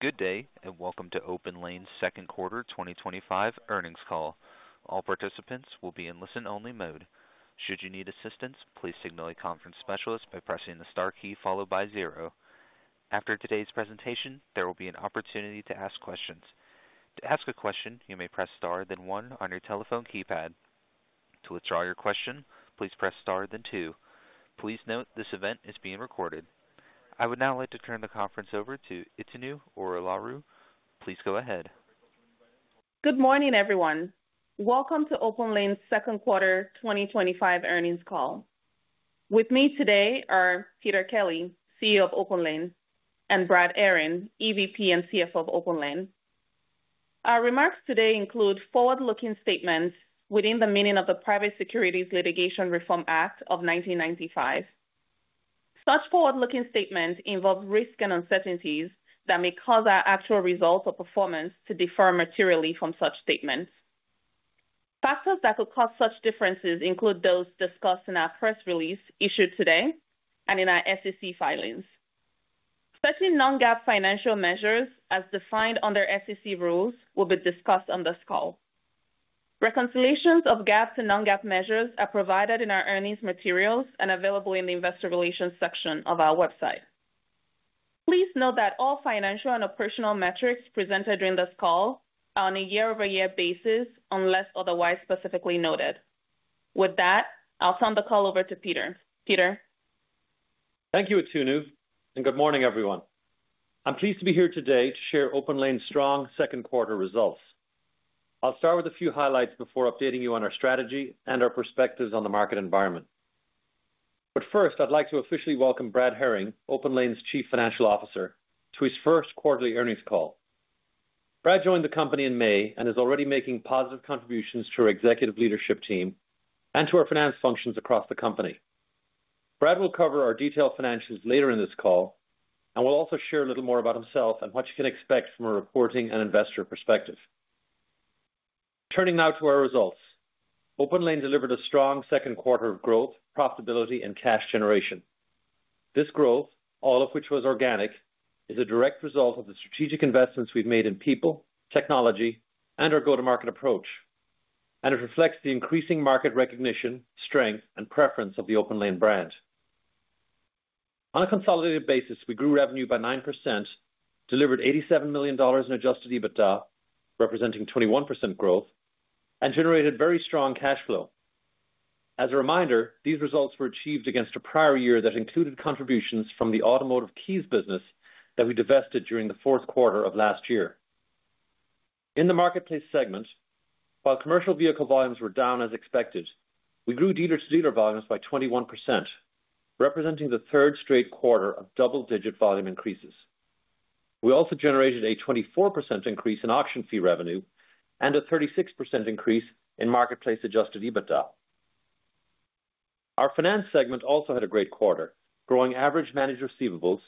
Good day and welcome to OPENLANE's Second Quarter 2025 Earnings Call. All participants will be in listen-only mode. Should you need assistance, please signal a conference specialist by pressing the star key followed by zero. After today's presentation, there will be an opportunity to ask questions. To ask a question, you may press star then one on your telephone keypad. To withdraw your question, please press star then two. Please note this event is being recorded. I would now like to turn the conference over to Itunu Orelaru. Please go ahead Good morning everyone. Welcome to OPENLANE's second quarter 2025 earnings call. With me today are Peter Kelly, CEO of OPENLANE, and Brad Herring, EVP and CFO of OPENLANE. Our remarks today include forward-looking statements within the meaning of the Private Securities Litigation Reform Act of 1995. Such forward-looking statements involve risks and uncertainties that may cause our actual results or performance to differ materially from such statements. Factors that could cause such differences include those discussed in our press release issued today and in our SEC filings. Certain non-GAAP financial measures as defined under SEC rules will be discussed on this call. Reconciliations of GAAP to non-GAAP measures are provided in our earnings materials and available in the Investor Relations section of our website. Please note that all financial and operational metrics presented during this call are on a year-over-year basis unless otherwise specifically noted. With that, I'll turn the call over to Peter. Peter. Thank you, Itunu, and good morning everyone. I'm pleased to be here today to share OPENLANE's strong second quarter results. I'll start with a few highlights before updating you on our strategy and our perspectives on the market environment. First, I'd like to officially welcome Brad Herring, OPENLANE's Chief Financial Officer, to his first quarterly earnings call. Brad joined the company in May and is already making positive contributions to our executive leadership team and to our finance functions across the company. Brad will cover our detailed financials later in this call and will also share a little more about himself and what you can expect from a reporting and investor perspective. Turning now to our results, OPENLANE delivered a strong second quarter of growth, profitability, and cash generation. This growth, all of which was organic, is a direct result of the strategic investments we've made in people, technology, and our go-to-market approach, and it reflects the increasing market recognition, strength, and preference of the OPENLANE brand. On a consolidated basis, we grew revenue by 9%, delivered $87 million in adjusted EBITDA representing 21% growth, and generated very strong cash flow. As a reminder, these results were achieved against a prior year that included contributions from the automotive keys business that we divested during the fourth quarter of last year. In the marketplace segment, while commercial vehicle volumes were down as expected, we grew dealer-to-dealer volumes by 21%, representing the third straight quarter of double-digit volume increases. We also generated a 24% increase in auction fee revenue and a 36% increase in marketplace adjusted EBITDA. Our finance segment also had a great quarter, growing average managed receivables,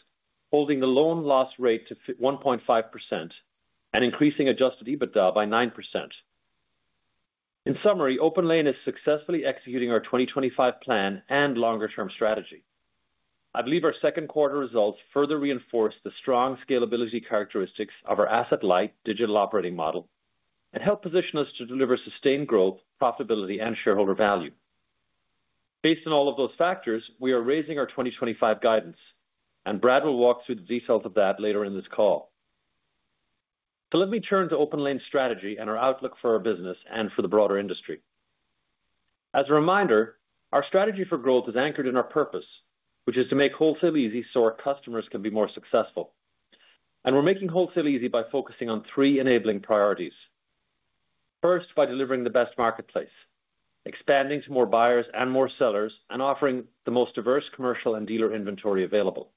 holding the loan loss rate to 1.5%, and increasing adjusted EBITDA by 9%. In summary, OPENLANE is successfully executing our 2025 plan and longer-term strategy. I believe our second quarter results further reinforce the strong scalability characteristics of our asset-light digital operating model and help position us to deliver sustained growth, profitability, and shareholder value. Based on all of those factors, we are raising our 2025 guidance, and Brad will walk through the details of that later in this call. Let me turn to OPENLANE's strategy and our outlook for our business and for the broader industry. As a reminder, our strategy for growth is anchored in our purpose, which is to make wholesale easy so our customers can be more successful, and we're making wholesale easy by focusing on three enabling priorities. First, by delivering the best marketplace, expanding to more buyers and more sellers, and offering the most diverse commercial and dealer inventory available.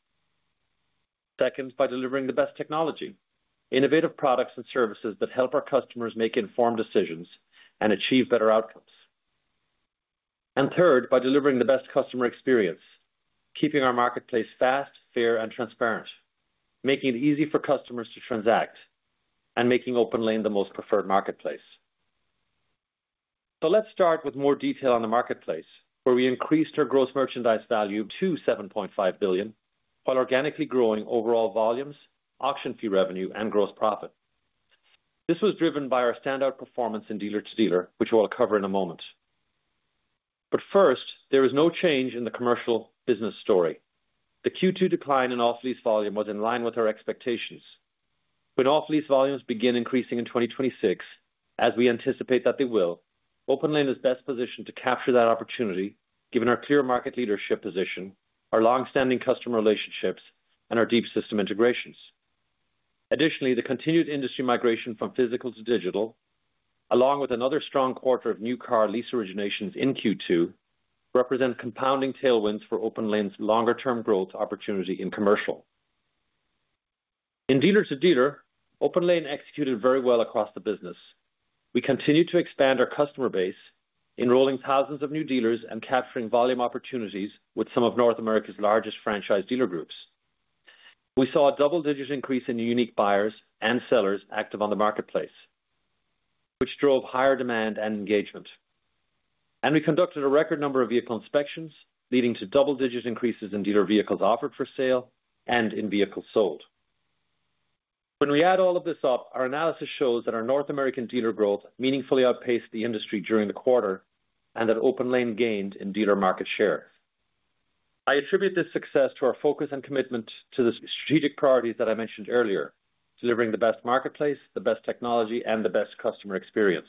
Second, by delivering the best technology, innovative products and services that help our customers make informed decisions and achieve better outcomes. Third, by delivering the best customer experience, keeping our marketplace fast, fair, and transparent, making it easy for customers to transact, and making OPENLANE the most preferred marketplace. Let's start with more detail on the marketplace, where we increased our gross merchandise value to $7.5 billion while organically growing overall volumes, auction fee revenue, and gross profit. This was driven by our standout performance in dealer-to-dealer, which I will cover in a moment. There is no change in the commercial business story. The Q2 decline in off-lease volume was in line with our expectations. When off-lease volumes begin increasing in 2026, as we anticipate that they will, OPENLANE is best positioned to capture that opportunity given our clear market leadership position, our long-standing customer relationships, and our deep system integrations. Additionally, the continued industry migration from physical to digital, along with another strong quarter of new car lease originations in Q2, represent compounding tailwinds for OPENLANE's longer-term growth opportunity in commercial. In dealer-to-dealer, OPENLANE executed very well across the business. We continue to expand our customer base, enrolling thousands of new dealers and capturing volume opportunities with some of North America's largest franchise dealer groups. We saw a double-digit increase in unique buyers and sellers active on the marketplace, which drove higher demand and engagement. We conducted a record number of vehicle inspections, leading to double-digit increases in dealer vehicles offered for sale and in vehicles sold. When we add all of this up, our analysis shows that our North American dealer growth meaningfully outpaced the industry during the quarter and that OPENLANE gained in dealer market shares. I attribute this success to our focus and commitment to the strategic priorities that I mentioned earlier, delivering the best marketplace, the best technology, and the best customer experience.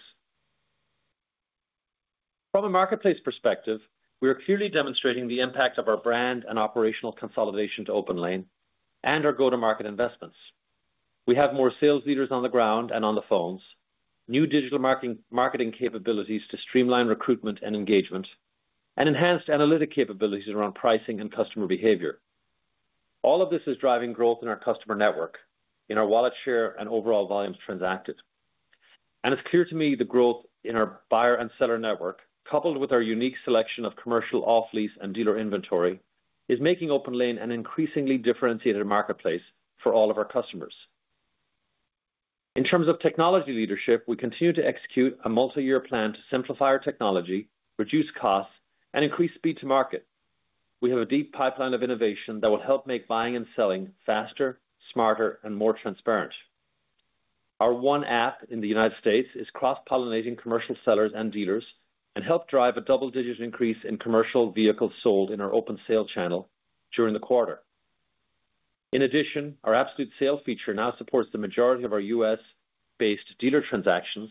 From a marketplace perspective, we are clearly demonstrating the impact of our brand and operational consolidation to OPENLANE and our go-to-market investments. We have more sales leaders on the ground and on the phones, new digital marketing capabilities to streamline recruitment and engagement, and enhanced analytic capabilities around pricing and customer behavior. All of this is driving growth in our customer network, in our wallet share, and overall volumes transacted. It's clear to me the growth in our buyer and seller network, coupled with our unique selection of commercial, off-lease, and dealer inventory, is making OPENLANE an increasingly differentiated marketplace for all of our customers. In terms of technology leadership, we continue to execute a multi-year plan to simplify our technology, reduce costs, and increase speed to market. We have a deep pipeline of innovation that will help make buying and selling faster, smarter, and more transparent. Our one app in the U.S. is cross-pollinating commercial sellers and dealers and helped drive a double-digit increase in commercial vehicles sold in our open sale channel during the quarter. In addition, our Absolute Sale feature now supports the majority of our U.S.-based dealer transactions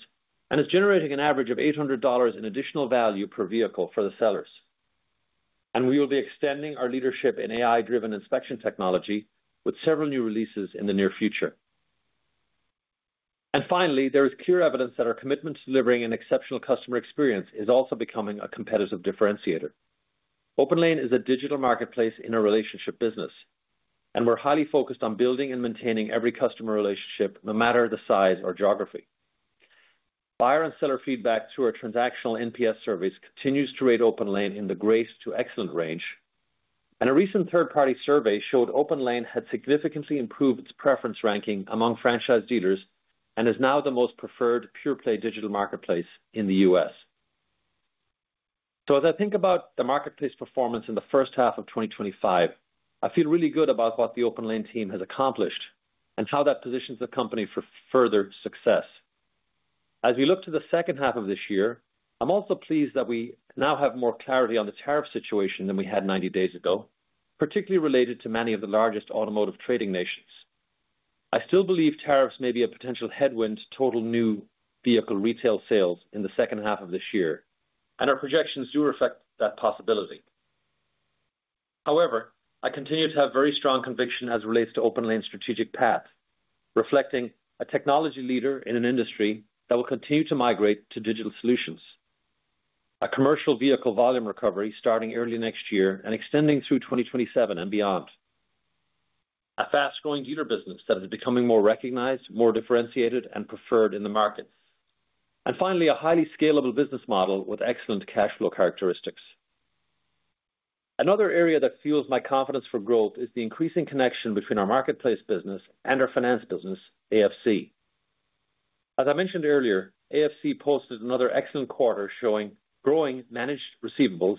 and is generating an average of $800 in additional value per vehicle for the sellers. We will be extending our leadership in AI-driven inspection technology with several new releases in the near future. Finally, there is clear evidence that our commitment to delivering an exceptional customer experience is also becoming a competitive differentiator. OPENLANE is a digital marketplace in a relationship business, and we're highly focused on building and maintaining every customer relationship, no matter the size or geography. Buyer and seller feedback through our transactional NPS surveys continues to rate OPENLANE in the great to excellent range, and a recent third-party survey showed OPENLANE had significantly improved its preference ranking among franchise dealers and is now the most preferred pure play digital marketplace in the U.S. As I think about the marketplace performance in the first half of 2025, I feel really good about what the OPENLANE team has accomplished and how that positions the company for further success. As we look to the second half of this year, I'm also pleased that we now have more clarity on the tariff situation than we had 90 days ago, particularly related to many of the largest automotive trading nations. I still believe tariffs may be a potential headwind to total new vehicle retail sales in the second half of this year, and our projections do reflect that possibility. However, I continue to have very strong conviction as it relates to OPENLANE's strategic path, reflecting a technology leader in an industry that will continue to migrate to digital solutions, a commercial vehicle volume recovery starting early next year and extending through 2027 and beyond, a fast-growing dealer business that is becoming more recognized, more differentiated and preferred in the market, and finally a highly scalable business model with excellent cash flow characteristics. Another area that fuels my confidence for growth is the increasing connection between our marketplace business and our finance business, AFC. As I mentioned earlier, AFC posted another excellent quarter showing growing managed receivables,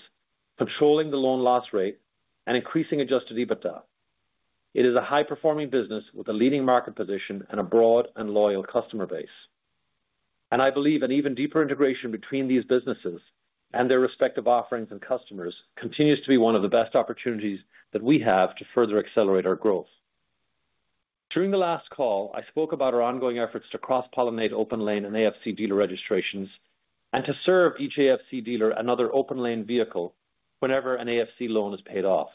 controlling the loan loss rate, and increasing adjusted EBITDA. It is a high-performing business with a leading market position and a broad and loyal customer base, and I believe an even deeper integration between these businesses and their respective offerings and customers continues to be one of the best opportunities that we have to further accelerate our growth. During the last call, I spoke about our ongoing efforts to cross-pollinate OPENLANE and AFC dealer registrations and to serve each AFC dealer another OPENLANE vehicle whenever an AFC loan is paid off.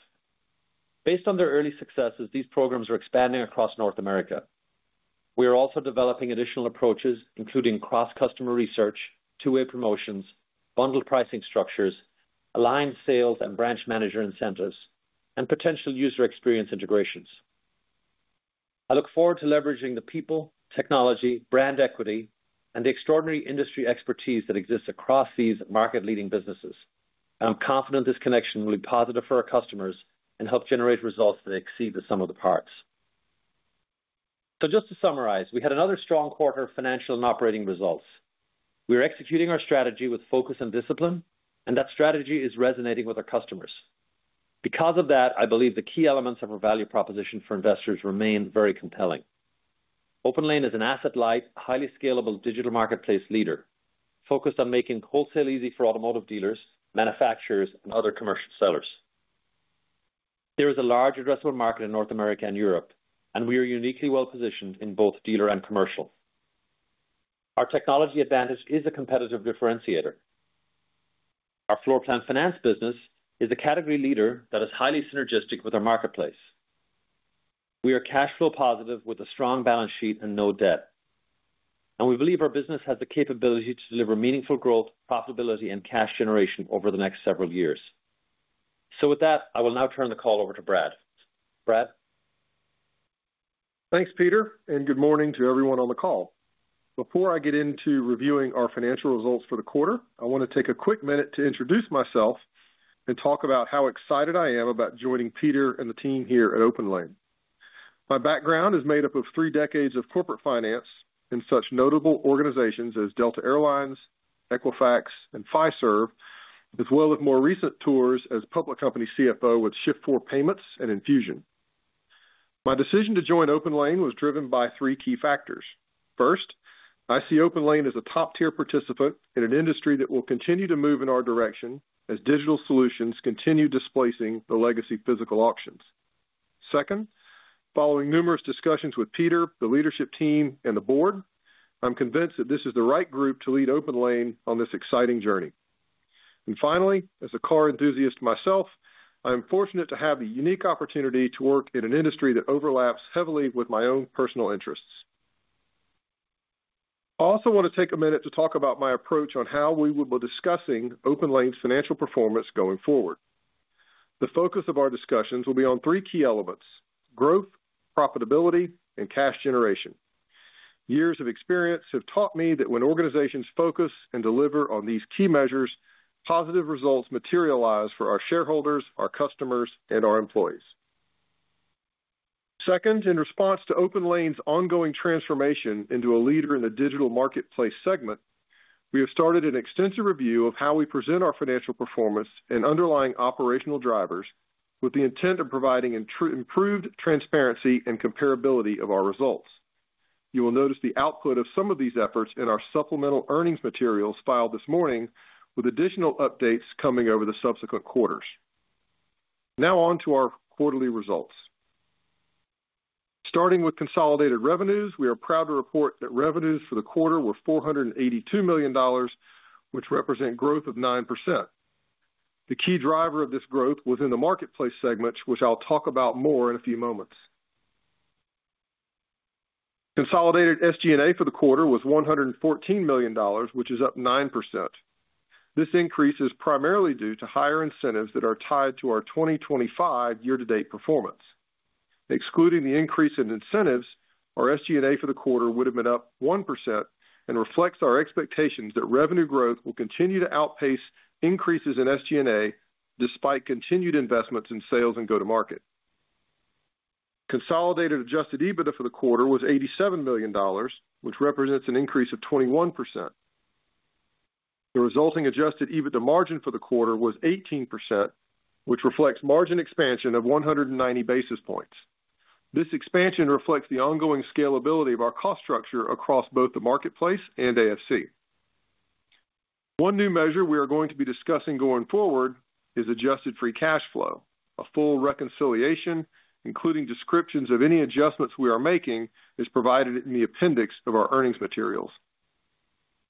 Based on their early successes, these programs are expanding across North America. We are also developing additional approaches, including cross-customer research, two-way promotions, bundled pricing structures, aligned sales and branch manager incentives, and potential user experience integrations. I look forward to leveraging the people, technology, brand equity, and the extraordinary industry expertise that exists across these market-leading businesses. I'm confident this connection will be positive for our customers and help generate results that exceed the sum of the parts. Just to summarize, we had another strong quarter of financial and operating results. We are executing our strategy with focus and discipline, and that strategy is resonating with our customers. Because of that, I believe the key elements of our value proposition for investors remain very compelling. OPENLANE is an asset-light, highly scalable digital marketplace leader focused on making wholesale easy for automotive dealers, manufacturers, and other commercial sellers. There is a large addressable market in North America and Europe, and we are uniquely well positioned in both dealer and commercial. Our technology advantage is a competitive differentiator. Our floor plan finance business is a category leader that is highly synergistic with our marketplace. We are cash flow positive with a strong balance sheet and no debt, and we believe our business has the capability to deliver meaningful growth, profitability, and cash generation over the next several years. With that, I will now turn the call over to Brad. Brad. Thanks Peter and good morning to everyone on the call. Before I get into reviewing our financial results for the quarter, I want to take a quick minute to introduce myself and talk about how excited I am about joining Peter and the team here at OPENLANE. My background is made up of three decades of corporate finance in such notable organizations as Delta Air Lines, Equifax, and Fiserv, as well as more recent tours as public company CFO with Shift4 Payments and Infusion. My decision to join OPENLANE was driven by three key factors. First, I see OPENLANE as a top tier participant in an industry that will continue to move in our direction as digital solutions continue displacing the legacy physical auctions. Second, following numerous discussions with Peter, the leadership team, and the board, I'm convinced that this is the right group to lead OPENLANE on this exciting journey. Finally, as a car enthusiast myself, I am fortunate to have the unique opportunity to work in an industry that overlaps heavily with my own personal interests. I also want to take a minute to talk about my approach on how we will be discussing OPENLANE's financial performance going forward. The focus of our discussions will be on three key elements: growth, profitability, and cash generation. Years of experience have taught me that when organizations focus and deliver on these key measures, positive results materialize for our shareholders, our customers, and our employees. In response to OPENLANE's ongoing transformation into a leader in the digital marketplace segment, we have started an extensive review of how we present our financial performance and underlying operational drivers with the intent of providing improved transparency and comparability of our results. You will notice the output of some of these efforts in our supplemental earnings materials filed this morning, with additional updates coming over the subsequent quarters. Now on to our quarterly results, starting with consolidated revenues. We are proud to report that revenues for the quarter were $482 million, which represent growth of 9%. The key driver of this growth was in the marketplace segments, which I'll talk about more in a few moments. Consolidated SG&A for the quarter was $114 million, which is up 9%. This increase is primarily due to higher incentives that are tied to our 2025 year to date performance. Excluding the increase in incentives, our SGA for the quarter would have been up 1% and reflects our expectations that revenue growth will continue to outpace the increases in SGA despite continued investments in sales and go to market. Consolidated adjusted EBITDA for the quarter was $87 million, which represents an increase of 21%. The resulting adjusted EBITDA margin for the quarter was 18%, which reflects margin expansion of 190 basis points. This expansion reflects the ongoing scalability of our cost structure across both the marketplace and AFC. One new measure we are going to be discussing going forward is adjusted free cash flow. A full reconciliation including descriptions of any adjustments we are making is provided in the appendix of our earnings materials.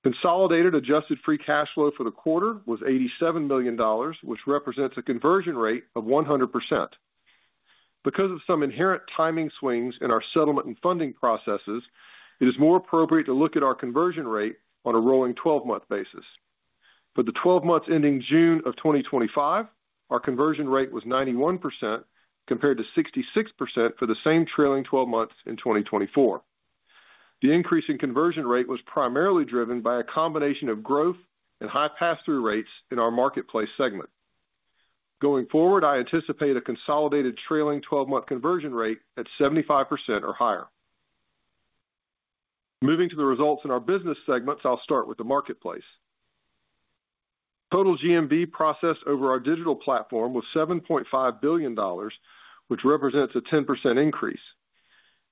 Consolidated adjusted free cash flow for the quarter was $87 million, which represents a conversion rate of 100%. Because of some inherent timing swings in our settlement and funding processes, it is more appropriate to look at our conversion rate on a rolling 12 month basis. For the 12 months ending June of 2025, our conversion rate was 91% compared to 66% for the same trailing 12 months in 2024. The increase in conversion rate was primarily driven by a combination of growth and high pass through rates in our marketplace segment. Going forward, I anticipate a consolidated trailing twelve month conversion rate at 75% or higher. Moving to the results in our business segments, I'll start with the marketplace. Total GMV processed over our digital platform was $7.5 billion, which represents a 10% increase.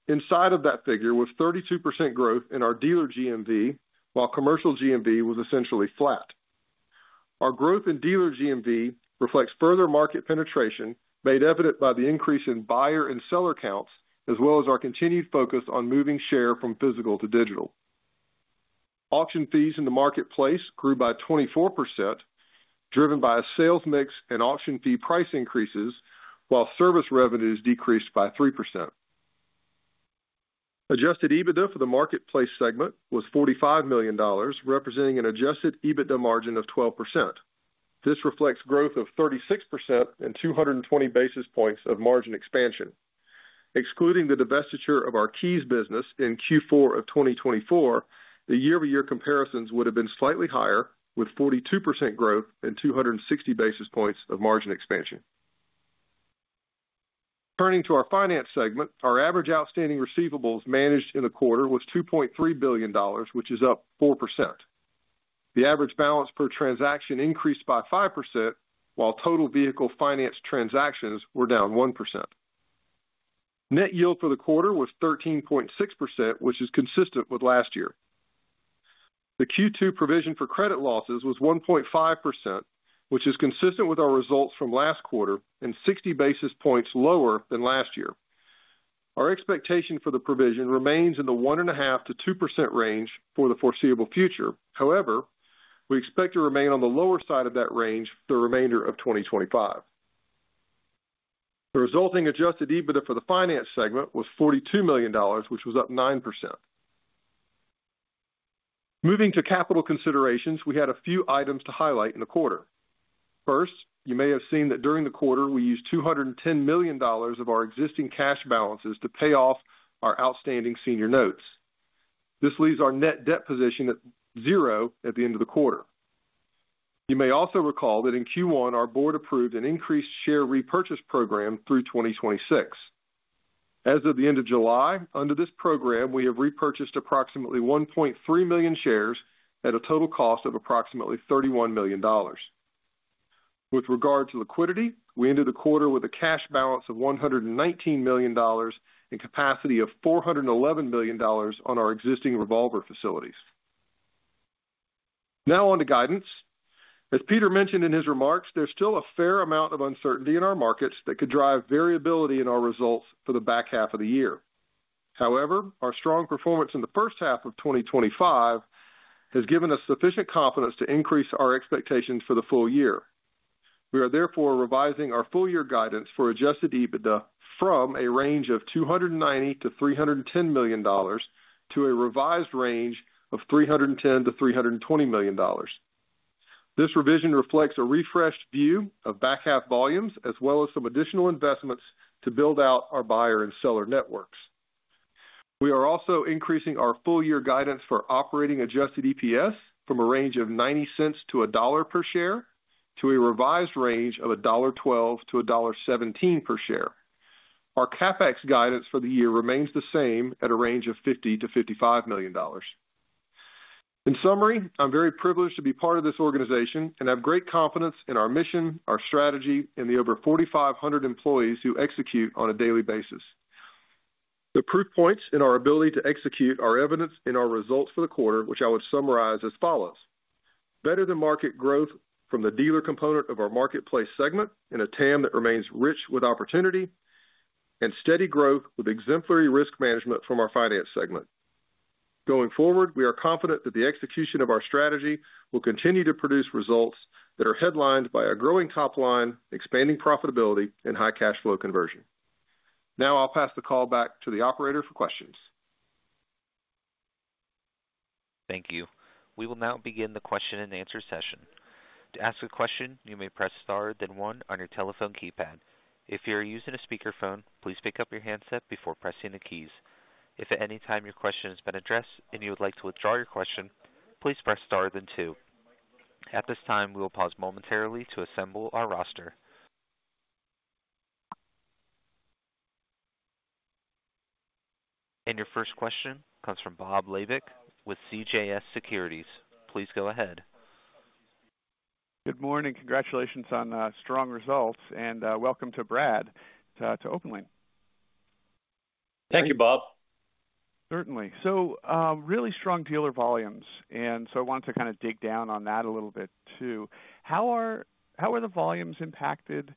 Inside of that figure was 32% growth in our dealer GMV, while commercial GMV was essentially flat. Our growth in dealer GMV reflects further market penetration made evident by the increase in buyer and seller counts as well as our continued focus on moving share from physical to digital. Auction fees in the marketplace grew by 24% driven by a sales mix and auction fee price increases, while service revenues decreased by 3%. Adjusted EBITDA for the marketplace segment was $45 million, representing an adjusted EBITDA margin of 12%. This reflects growth of 36% and 220 basis points of margin expansion. Excluding the divestiture of our keys business in Q4 of 2024, the year-over-year comparisons would have been slightly higher with 42% growth and 260 basis points of margin expansion. Turning to our Finance segment, our average outstanding receivables managed in the quarter was $2.3 billion, which is up 4%. The average balance per transaction increased by 5%, while total vehicle finance transactions were down 1%. Net yield for the quarter was 13.6%, which is consistent with last year. The Q2 provision for credit losses was 1.5%, which is consistent with our results from last quarter and 60 basis points lower than last year. Our expectation for the provision remains in the 1.5%-2% range for the foreseeable future. However, we expect to remain on the lower side of that range the remainder of 2025. The resulting adjusted EBITDA for the Finance segment was $42 million, which was up 9%. Moving to capital considerations, we had a few items to highlight in the quarter. First, you may have seen that during the quarter we used $210 million of our existing cash balances to pay off our outstanding senior notes. This leaves our net debt position at zero at the end of the quarter. You may also recall that in Q1 our board approved an increased share repurchase program through 2026. As of the end of July, under this program we have repurchased approximately 1.3 million shares at a total cost of approximately $31 million. With regard to liquidity, we ended the quarter with a cash balance of $119 million and capacity of $411 million on our existing Revolver facilities. Now on to guidance. As Peter mentioned in his remarks, there's still a fair amount of uncertainty in our markets that could drive variability in our results for the back half of the year. However, our strong performance in the first half of 2025 has given us sufficient confidence to increase our expectations for the full year. We are therefore revising our full year guidance for adjusted EBITDA from a range of $290 million-$310 million to a revised range of $310 million-$320 million. This revision reflects a refreshed view of back half volumes as well as some additional investments to build out our buyer and seller networks. We are also increasing our full year guidance for operating adjusted EPS from a range of $0.90-$1.00 per share to a revised range of $1.12-$1.17 per share. Our CapEx guidance for the year remains the same at a range of $50 million-$55 million. In summary, I'm very privileged to be part of this organization and have great confidence in our mission, our strategy, and the over 4,500 employees who execute on a daily basis. The proof points in our ability to execute are evidenced in our results for the quarter, which I would summarize as follows. Better than market growth from the dealer component of our marketplace segment in a TAM that remains rich with opportunity, and steady growth with exemplary risk management from our finance segment. Going forward, we are confident that the execution of our strategy will continue to produce results that are headlined by a growing top line, expanding profitability, and high cash flow conversion. Now I'll pass the call back to the operator for questions. Thank you. We will now begin the question-and-answer session. To ask a question, you may press Star then one on your telephone keypad. If you are using a speakerphone, please pick up your handset before pressing the keys. If at any time your question has been addressed and you would like to withdraw your question, please press Star then two. At this time, we will pause momentarily to assemble our roster. Your first question comes from Robert Labick with CJS Securities. Please go ahead. Good morning. Congratulations on strong results and welcome to Brad to OPENLANE. Thank you, Bob. Certainly. Really strong dealer volumes, and I wanted to kind of dig down on that a little bit too. How are you? How are the volumes impacted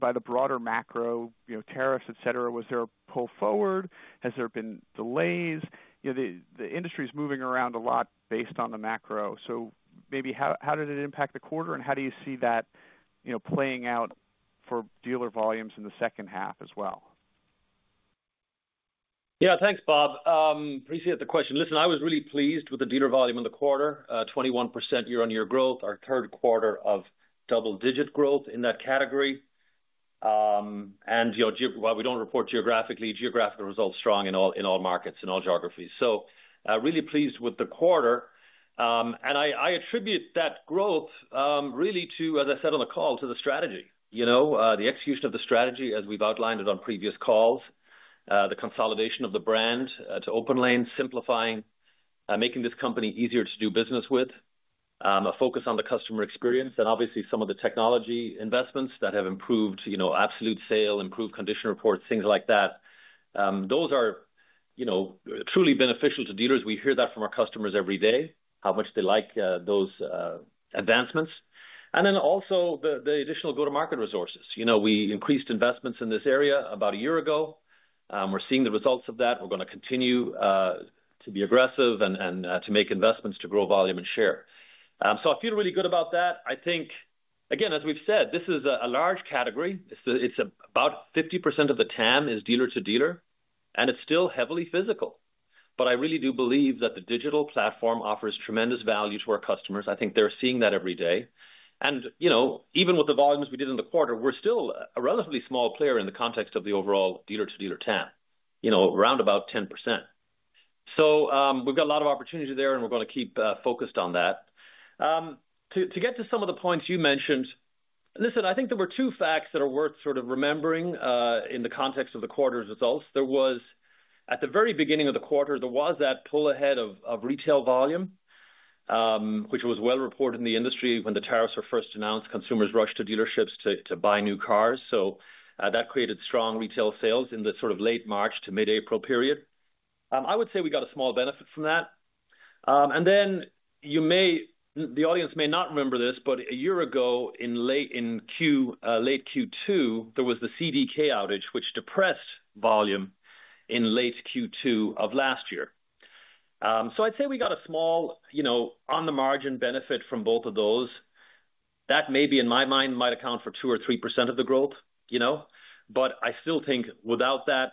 by the broader macro, tariffs, etc. Was there a pull forward? Has there been delays? The industry is moving around a lot based on the macro. How did it impact the quarter, and how do you see that playing out for dealer volumes in the second half as well? Yeah, thanks Bob, appreciate the question. Listen, I was really pleased with the dealer volume in the quarter. 21% year on year growth, our third quarter of double digit growth in that category. While we don't report geographical results, strong in all markets, in all geographies. Really pleased with the quarter and I attribute that growth, as I said on the call, to the strategy, the execution of the strategy as we've outlined it on previous calls, the consolidation of the brand to OPENLANE, simplifying, making this company easier to do business with, a focus on the customer experience. Obviously some of the technology investments that have improved Absolute Sale, improved condition reports, things like that, those are truly beneficial to dealers. We hear that from our customers every day how much they like those advancements and then also the additional go to market resources. We increased investments in this area about a year ago. We're seeing the results of that. We're going to continue to be aggressive and to make investments to grow volume and share. I feel really good about that. I think again, as we've said, this is a large category. It's about 50% of the TAM is dealer-to-dealer and it's still heavily physical. I really do believe that the digital platform offers tremendous value to our customers. I think they're seeing that every day. Even with the volumes we did in the quarter, we're still a relatively small player in the context of the overall dealer-to-dealer TAM, around about 10%. We've got a lot of opportunity there and we're going to keep focused on that. To get to some of the points you mentioned, I think there were two facts that are worth sort of remembering in the context of the quarter's results. At the very beginning of the quarter there was that pull ahead of retail volume which was well reported in the industry when the tariffs were first announced. Consumers rushed to dealerships to buy new cars. That created strong retail sales in the late March to mid April period. I would say we got a small benefit from that. You may, the audience may not remember this, but a year ago in late Q2, there was the CDK outage which depressed volume in late Q2 of last year. I'd say we got a small, on the margin benefit from both of those that maybe in my mind might account for 2% or 3% of the growth. I still think without that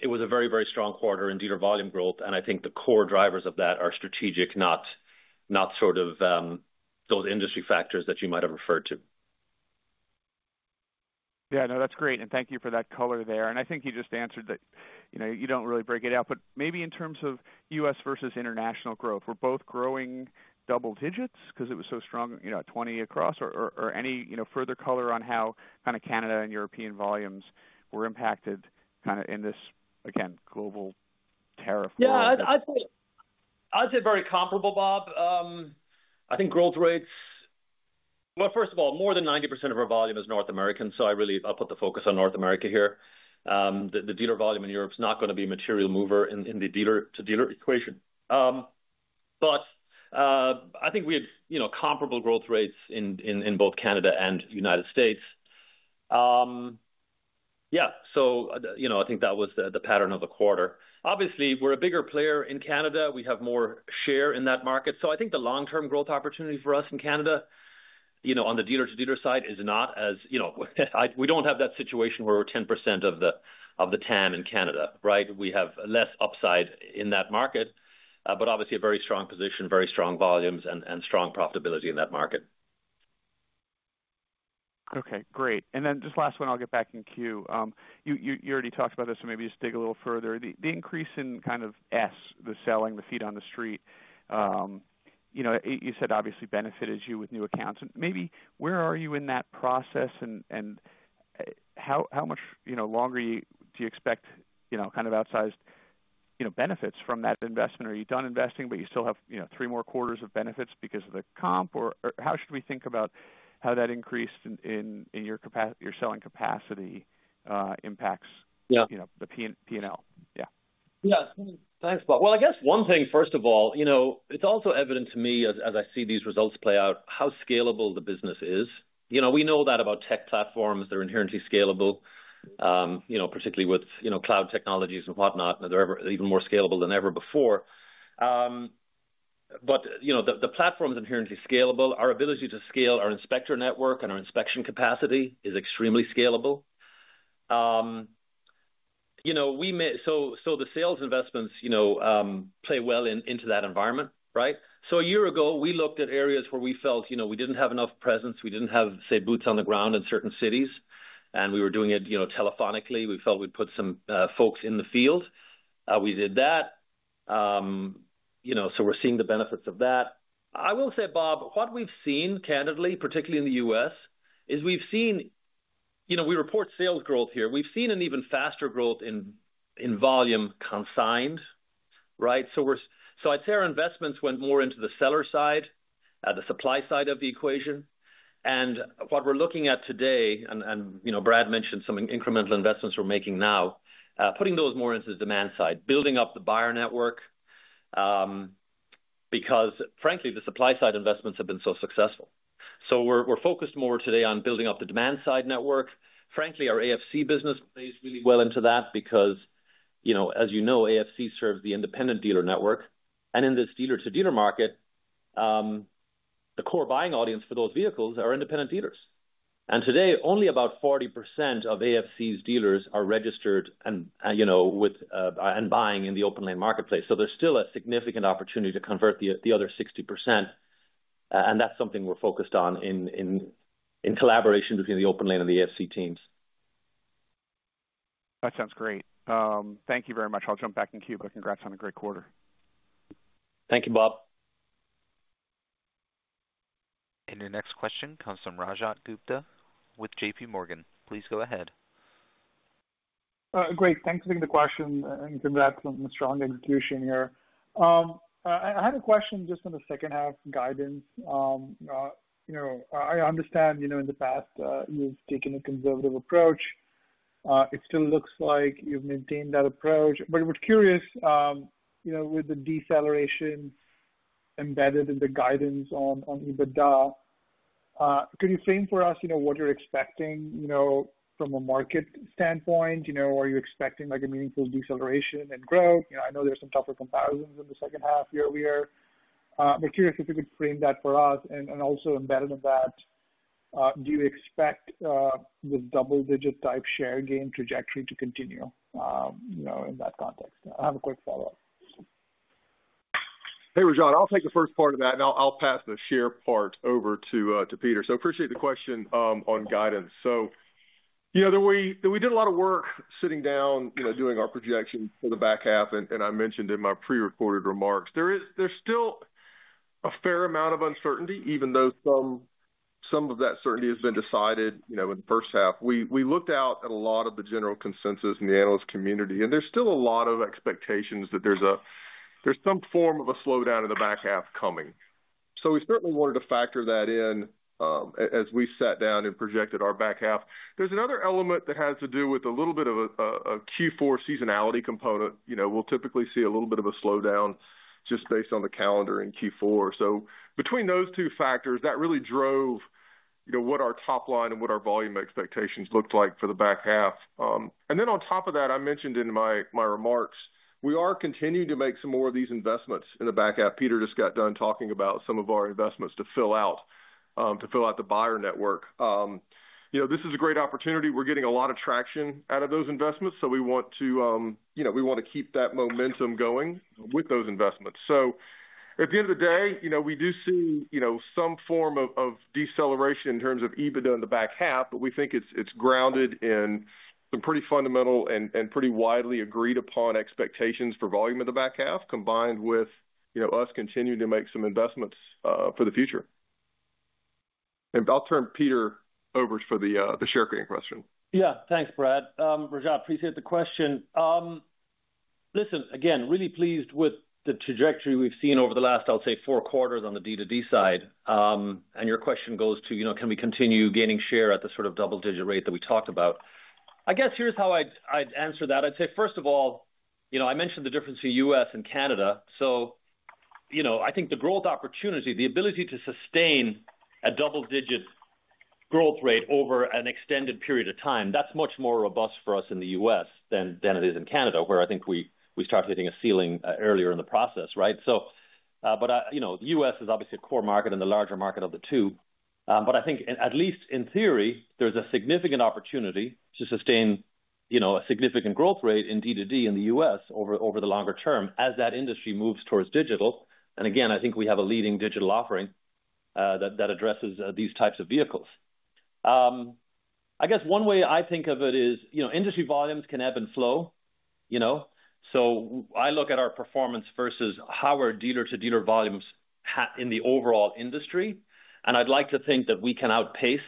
it was a very, very strong quarter in dealer volume growth. I think the core drivers of that are strategic, not those industry factors that you might have referred to. Thank you for that color there. I think you just answered that. You don't really break it out, but maybe in terms of U.S. versus international growth, we're both growing double digits because it was so strong at 20% across. Any further color on how Canada and European volumes were impacted in this, again, global tariff? Yeah, I'd say very comparable, Bob. I think growth rates. First of all, more than 90% of our volume is North American, so I really put the focus on North America here. The dealer volume in Europe is not going to be a material mover in. The dealer-to-dealer volumes equation. I think we had comparable growth rates in both Canada and United States. I think that was the pattern of the quarter. Obviously, we're a bigger player in Canada. We have more share in that market. I think the long term growth opportunity for us in Canada on the dealer-to-dealer side is not as, you know, we don't have that situation where we're 10% of the TAM in Canada. We have less upside in that market, but obviously a very strong position, very strong volumes, and strong profitability in that market. Okay, great. Just last one, I'll get back in queue. You already talked about this, so maybe just dig a little further. The increase in kind of the selling, the feet on the street, you know, you said obviously benefited you with new accounts and maybe where are you in that process and how much longer do you expect kind of outsized benefits from that investment? Are you done investing but you still have three more quarters of benefits because of the comp, or how should we think about how that increase in your selling capacity impacts the P&L? Yeah, thanks, Bob. I guess one thing, first of all, it's also evident to me as I see these results play out, how scalable the business is. You know, we know that about tech platforms, they're inherently scalable, particularly with cloud technologies and whatnot. They're even more scalable than ever before. The platform is inherently scalable. Our ability to scale our inspector network and our inspection capacity is extremely scalable. The sales investments play well into that environment. A year ago we looked at areas where we felt we didn't have enough presence. We didn't have, say, boots on the ground in certain cities and we were doing it telephonically. We felt we'd put some folks in the field. We did that, so we're seeing the benefits of that. I will say, Bob, what we've seen candidly, particularly in the U.S., is we've seen, we report sales growth here. We've seen an even faster growth in volume consigned. I'd say our investments went more into the seller side, the supply side of the equation and what we're looking at today, and Brad mentioned some incremental investments we're making now, putting those more into the demand side, building up the buyer network because frankly, the supply side investments have been so successful. We're focused more today on building up the demand side network. Frankly, our AFC business plays really well into that because as you know, AFC serves the independent dealer network and in this dealer-to-dealer market, the core buying audience for those vehicles are independent dealers. Today only about 40% of AFC's dealers are registered and buying in the OPENLANE marketplace. There's still a significant opportunity to convert the other 60%, and that's something we're focused on in collaboration between the OPENLANE and the AFC teams. That sounds great. Thank you very much. I'll jump back in queue. Congrats on a great quarter. Thank you, Bob. Your next question comes from Rajat Gupta with J.P. Morgan, please go ahead. Great. Thanks for taking the question and congrats on the strong execution here. I had a question just on the second half guidance. I understand, in the past you've taken a conservative approach. It still looks like you've maintained that approach. We're curious, with the deceleration embedded in the guidance on EBITDA, could you frame for us what you're expecting from a market standpoint? Are you expecting a meaningful deceleration in growth? I know there's some tougher comparisons in the second half, year-over-year. We're curious if you could frame that for us. Also, embedded in that, do you expect the double-digit type share gain trajectory to continue? You know, in that context? I have a quick follow-up. Hey, Rajat, I'll take the first part of that and I'll pass the share part over to Peter. Appreciate the question on guidance. We did a lot of work sitting down, doing our projection for the back half. I mentioned in my prerecorded remarks there is still a fair amount of uncertainty, even though some of that certainty has been decided. In the first half, we looked out at a lot of the general consensus in the analyst community and there's still a lot of expect that there's some form of a slowdown in the back half coming. We certainly wanted to factor that in as we sat down and projected our back half. There's another element that has to do with a little bit of a Q4 seasonality component. We'll typically see a little bit of a slowdown just based on the calendar in Q4. Between those two factors, that really drove what our top-line and what our volume expectations looked like for the back half. On top of that, I mentioned in my remarks we are continuing to make some more of these investments in the back half. Peter just got done talking about some of our investments to fill out the buyer network. This is a great opportunity. We're getting a lot of traction out of those investments. We want to keep that momentum going with those investments. At the end of the day, we do see some form of deceleration in terms of EBITDA in the back half. We think it's grounded in some pretty fundamental and pretty widely agreed upon expectations for volume in the back half, combined with us continuing to make some investments for the future. I'll turn Peter over for the share repurchase question. Yeah, thanks Brad, Rajat, appreciate the question. Really pleased with the trajectory we've seen over the last, I'll say, four quarters on the dealer-to-dealer side. Your question goes to can we continue gaining share at the sort of double-digit rate that we talked about? Here's how I'd answer that. I'd say first of all, I mentioned the difference in U.S. and Canada. I think the growth opportunity, the ability to sustain a double-digit growth rate over an extended period of time, that's much more robust for us in the U.S. than it is in Canada where I think we start hitting a ceiling earlier in the process. The U.S. is obviously a core market and the larger market of the two, but I think at least in theory there's a significant opportunity to sustain a significant growth rate in dealer-to-dealer in the U.S. over the longer term as that industry moves towards digital. I think we have a leading digital offering that addresses these types of vehicles. One way I think of it is, industry volumes can ebb and flow, so I look at our performance versus how are dealer-to-dealer volumes in the overall industry and I'd like to think that we can outpace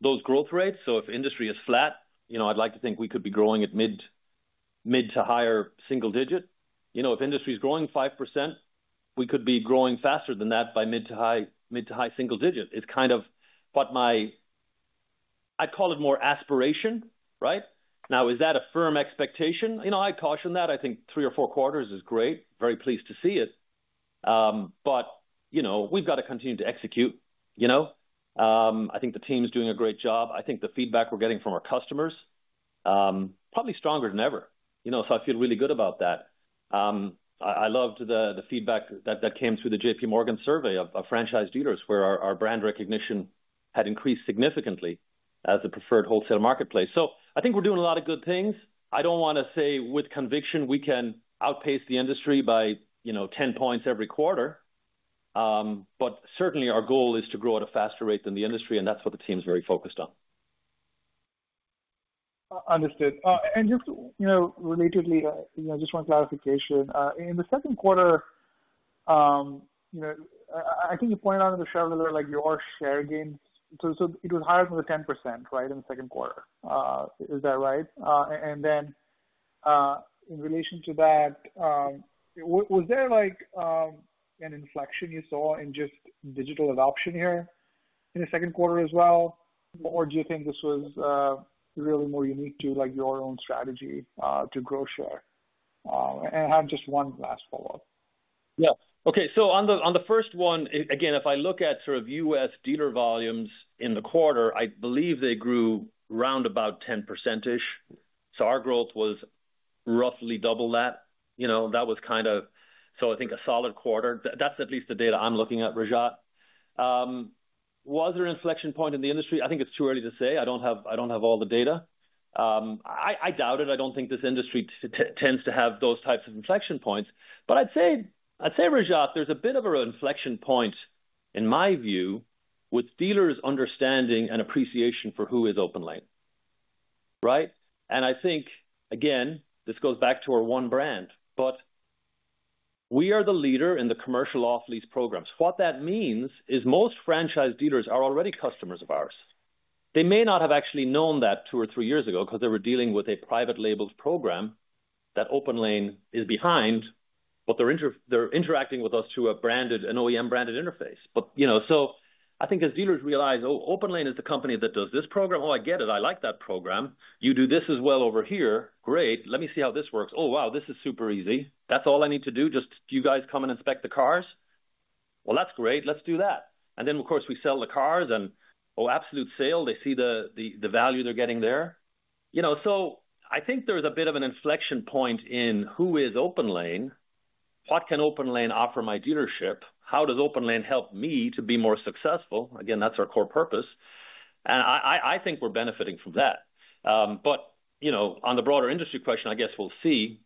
those growth rates. If industry is flat, I'd like to think we could be growing at mid to higher single digit. If industry is growing 5%, we could be growing faster than that by mid to high single digit. It's kind of what my, I call it more aspiration right now. Is that a firm expectation? I caution that I think three or four quarters is great. Very pleased to see it. We've got to continue to execute. I think the team's doing a great job. I think the feedback we're getting from our customers is probably stronger than ever, so I feel really good about that. I loved the feedback that came through the J.P. Morgan survey of franchise dealers where our brand recognition had increased significantly as a preferred wholesale marketplace. I think we're doing a lot of good things. I don't want to say with conviction we can outpace the industry by 10 points every quarter. Certainly our goal is to grow at a faster rate than the industry and that's what the team is very focused on. Understood. Just, you know, relatedly, just one clarification. In the second quarter, I think you point out in the shareholder, like your share gain, so it was higher from the 10%, right? In the second quarter, is that right? In relation to that, was there an inflection you saw in just digital adoption here in the second quarter as well, or do you think this was really more unique to your own strategy to grow share? I have just one last follow up. Yeah. Okay, so on the first one, again, if I look at sort of U.S. dealer volumes in the quarter, I believe they grew around about 10%. Our growth was roughly double that. That was kind of, I think, a solid quarter. That's at least the data I'm looking at. Rajat, was there an inflection point in the industry? I think it's too early to say. I don't have all the data. I doubt it. I don't think this industry tends to have those types of inflection points. I'd say, Rajat, there's a bit of an inflection point in my view, with dealers' understanding and appreciation for who is OPENLANE. I think this goes back to our one brand, but we are the leader in the commercial off-lease programs. What that means is most franchise dealers are already customers of ours. They may not have actually known that two or three years ago because they were dealing with a private label program that OPENLANE is behind, but they're interacting with us through an OEM-branded interface. I think as dealers realize, oh, OPENLANE is the company that does this program. Oh, I get it. I like that program. You do this as well over here. Great. Let me see how this works. Oh, wow. This is super easy. That's all I need to do. Just you guys come and inspect the cars. That's great. Let's do that. Of course, we sell the cars and, oh, Absolute Sale. They see the value they're getting there. I think there's a bit of an inflection point in who is OPENLANE, what can OPENLANE offer my dealership, how does OPENLANE help me to be more successful. Again, that's our core purpose and I think we're benefiting from that. On the broader industry question, I guess we'll see.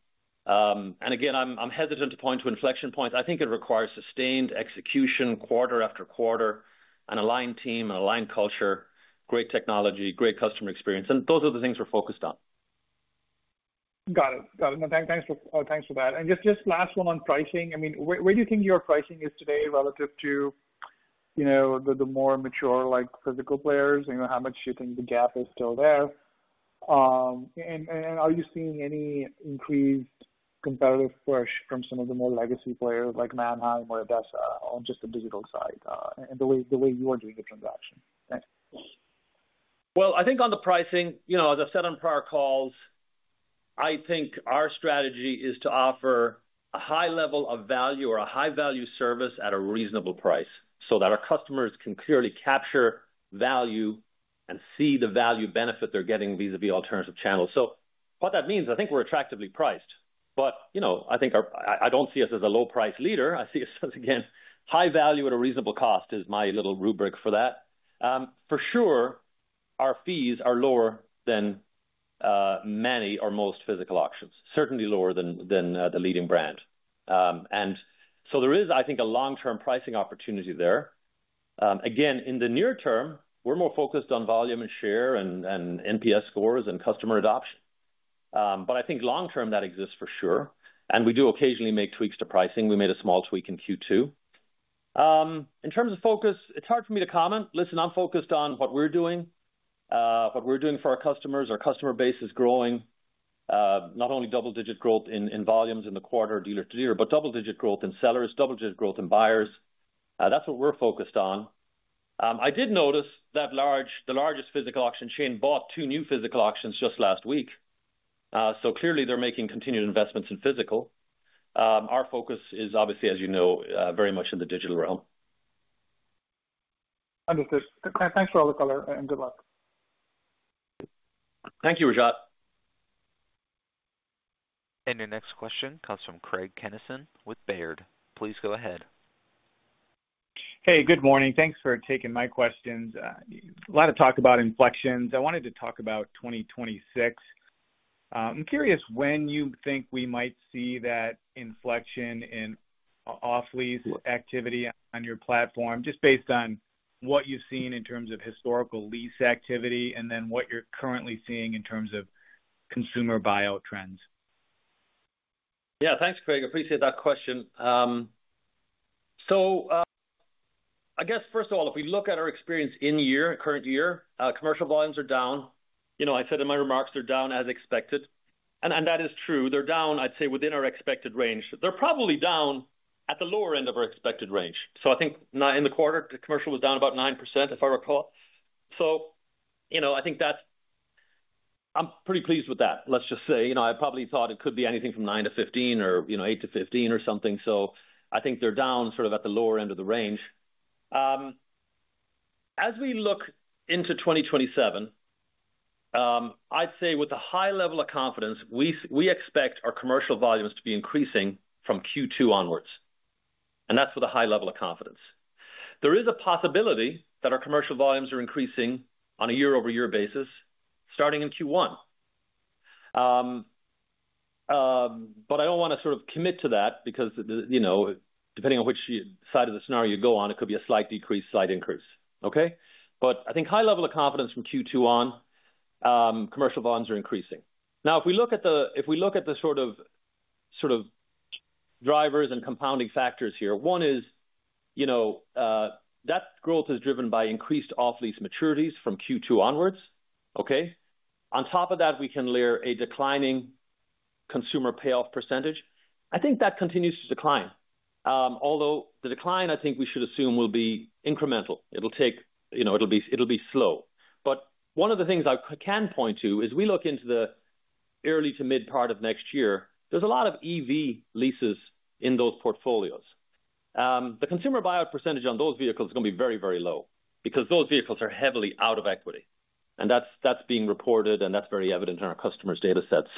Again, I'm hesitant to point to inflection points. I think it requires sustained execution quarter after quarter, an aligned team, aligned culture, great technology, great customer experience. Those are the things we're focused on. Got it. Thanks for that. Just last one, on pricing, where do you think your pricing is today relative to the more mature physical players? How much do you think the gap is still there, and are you seeing any increased competitive push from some of the more legacy players like Mannheim or Vessel on just the digital side and the way you are doing a transaction? Right. I think on the pricing, as I've said on prior calls, I think our strategy is to offer a high level of value or a high value service at a reasonable price so that our customers can clearly capture value and see the value benefit they're getting vis a vis alternative channel. What that means, I think we're attractively priced. I don't see us as a low price leader. I see us again, high value at a reasonable cost is my little rubric for that. For sure. Our fees are lower than many or most physical auctions, certainly lower than the leading brand. There is, I think, a long-term pricing opportunity there. In the near term, we're more focused on volume and share and NPS scores and customer adoption. I think long term that exists for sure. We do occasionally make tweaks to pricing. We made a small tweak in Q2 in terms of focus. It's hard for me to comment. I'm focused on what we're doing, what we're doing for our customers. Our customer base is growing. Not only double-digit growth in volumes in the quarter dealer-to-dealer, but double-digit growth in sellers, double-digit growth in buyers. That's what we're focused on. I did notice that the largest physical auction chain bought two new physical auctions just last week. Clearly, they're making continued investments in physical. Our focus is obviously, as you know, very much in the digital realm. Understood. Thanks for all the color and good luck. Thank you, Rajat. Your next question comes from Craig Kennison with Robert W. Baird & Co. Incorporated. Please go ahead. Hey, good morning. Thanks for taking my questions. A lot of talk about inflections. I wanted to talk about 2026. I'm curious when you think we might see that inflection in off-lease activity on your platform just based on what you've seen in terms of historical lease activity and then what you're currently seeing. In terms of consumer buyout trends. Yeah, thanks Craig, appreciate that question. If we look at our experience in year, current year, commercial volumes are down. I said in my remarks they're down as expected, and that is true. They're down, I'd say, within our expected range. They're probably down at the lower end of our expected range. I think in the quarter the commercial was down about 9% if I recall. I think that's, I'm pretty pleased with that. Let's just say, I probably thought it could be anything from 9%-15% or, you know, 8%-15% or something. I think they're down sort of at the lower end of the range. As we look into 2027, I'd say with a high level of confidence, we expect our commercial volumes to be increasing from Q2 onwards. That's with a high level of confidence. There is a possibility that our commercial volumes are increasing on a year-over-year basis starting in Q1. I don't want to sort of commit to that because, depending on which side of the scenario you go on, it could be a slight decrease, slight increase. I think high level of confidence from Q2 on commercial volumes are increasing. If we look at the sort of drivers and compounding factors here, one is that growth is driven by increased off-lease maturities from Q2 onwards. On top of that, we can layer a declining consumer payoff percentage. I think that continues to decline, although the decline I think we should assume will be incremental. It'll take, you know, it'll be slow. One of the things I can point to is we look into the early to mid part of next year. There's a lot of EV leases in those portfolios. The consumer buyout percentage on those vehicles is going to be very, very low because those vehicles are heavily out of equity and that's being reported and that's very evident in our customers' data sets.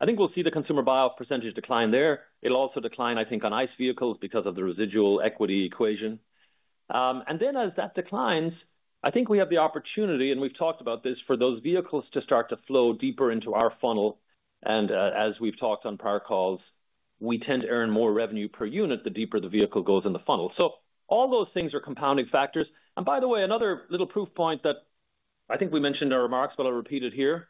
I think we'll see the consumer buyout percentage decline there. It'll also decline, I think, on ICE vehicles because of the residual equity equation. As that declines, I think we have the opportunity, and we've talked about this, for those vehicles to start to flow deeper into our funnel. As we've talked on prior calls, we tend to earn more revenue per unit the deeper the vehicle goes in the funnel. All those things are compounding factors. By the way, another little proof point that I think we mentioned in our remarks, but I'll repeat it here.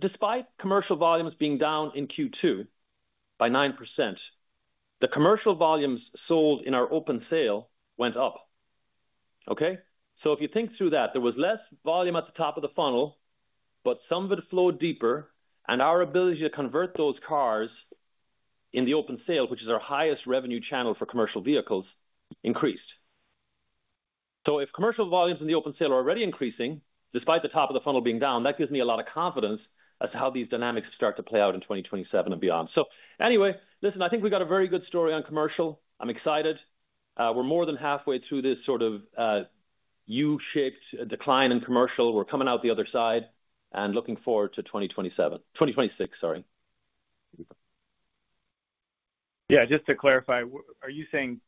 Despite commercial volumes being down in Q2 by 9%, the commercial volumes sold in our Open sale went up. If you think through that, there was less volume at the top of the funnel, but some of it flowed deeper and our ability to convert those cars in the Open sale, which is our highest revenue channel for commercial vehicles, increased. If commercial volumes in the Open sale are already increasing despite the top of the funnel being down, that gives me a lot of confidence as to how these dynamics start to play out in 2027 and beyond. I think we got a very good story on commercial. I'm excited. We're more than halfway through this sort of U-shaped decline in commercial. We're coming out the other side and looking forward to 2027. 2026. Sorry. Yeah, just to clarify, are you. Saying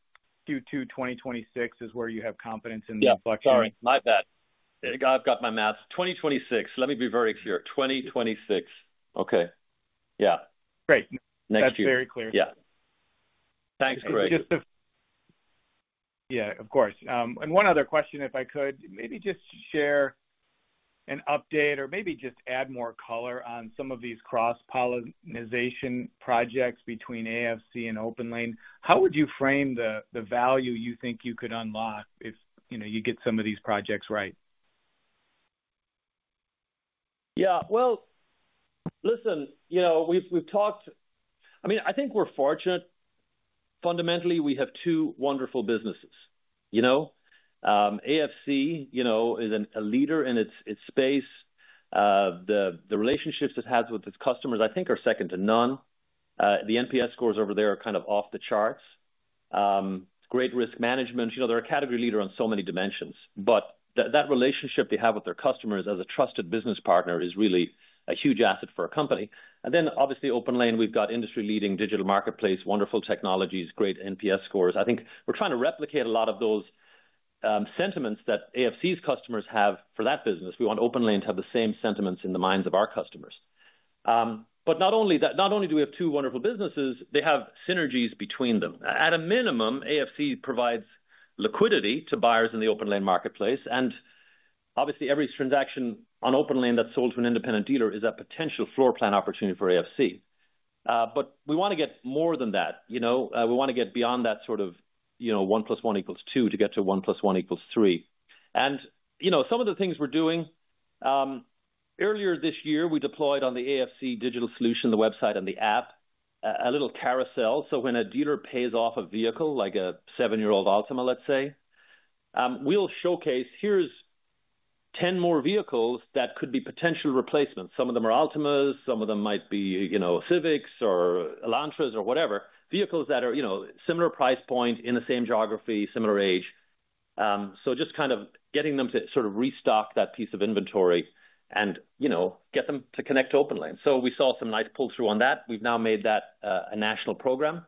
Q2 2026 is where you have confidence? In the bucket? Sorry, my bad. I've got my math. 2026. Let me be very clear. 2026. Okay, yeah, great. Next year. That's very clear. Yeah, thanks, Craig. Yeah, of course. One other question. If I could maybe just share an update or maybe just add more color. On some of these cross-pollinization projects between AFC and OPENLANE, how would you frame the value you think you could unlock if you get some of these projects right? Yeah, listen, we've talked. I mean, I think we're fortunate. Fundamentally, we have two wonderful businesses. You know, AFC, you know, is a leader in its space. The relationships it has with its customers I think are second to none. The NPS scores over there are kind of off the charts. Great risk management, you know, they're a category leader on so many dimensions. That relationship they have with their customers as a trusted business partner is really a huge asset for a company. Obviously, OPENLANE, we've got industry leading digital marketplace, wonderful technologies, great NPS scores. I think we're trying to replicate a lot of those sentiments that AFC's customers have for that business. We want OPENLANE to have the same sentiments in the minds of our customers. Not only do we have two wonderful businesses, they have synergies between them. At a minimum, AFC provides liquidity to buyers in the OPENLANE marketplace. Obviously, every transaction on OPENLANE that's sold to an independent dealer is a potential floor plan opportunity for AFC. We want to get more than that. We want to get beyond that sort of, you know, 1 + 1 = 2, to get to 1 + 1 = 3. You know, some of the things we're doing. Earlier this year we deployed on the AFC digital solution, the website and the app, a little carousel so when a dealer pays off a vehicle like a 7-year-old Altima, let's say we'll showcase, here's 10 more vehicles that could be potential replacements. Some of them are Altimas, some of them might be, you know, Civics or Elantras or whatever vehicles that are, you know, similar price point in the same geography, similar age. Just kind of getting them to sort of restock that piece of inventory and, you know, get them to connect OPENLANE. We saw some nice pull through on that. We've now made that a national program.